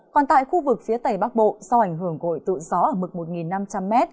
còn tại khu vực phía tây bắc bộ do ảnh hưởng của hội tụ gió ở mực một năm trăm linh m